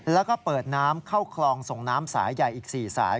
แล้วก็เปิดน้ำเข้าคลองส่งน้ำสายใหญ่อีก๔สาย